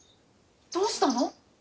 どうしたの？